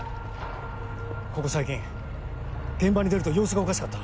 ここ最近現場に出ると様子がおかしかった。